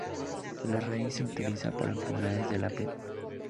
La raíz se utiliza para enfermedades de la piel.